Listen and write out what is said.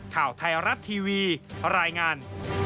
ข่าวไทยรัฐทีวีรายงาน